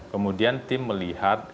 kemudian tim melihat